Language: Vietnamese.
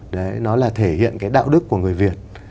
đấy nó là thể hiện cái đạo đức của người việt